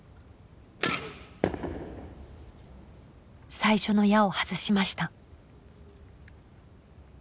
最初の矢を外しました。